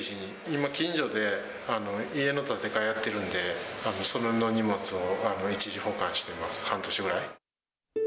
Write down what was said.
今、近所で家の建て替えやってるんで、それの荷物を一時保管しています、半年ぐらい。